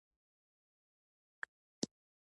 که تاسو رښتیا مسلمانان یاست.